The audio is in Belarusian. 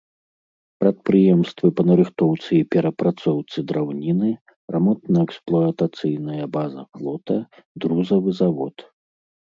Прадпрыемствы па нарыхтоўцы і перапрацоўцы драўніны, рамонтна-эксплуатацыйная база флота, друзавы завод.